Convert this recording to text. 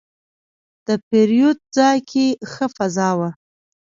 د پیرود ځای کې ښه فضا وه.